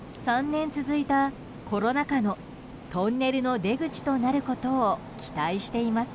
３年続いたコロナ禍のトンネルの出口となることを期待しています。